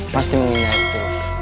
pasti mengingat terus